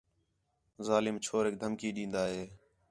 ظالم چھوریک دھمکی ݙین٘دا ہِے